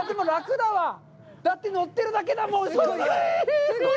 だって、乗ってるだけだもん。